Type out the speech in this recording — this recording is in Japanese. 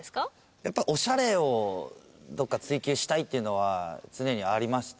やっぱオシャレをどこか追求したいっていうのは常にありまして。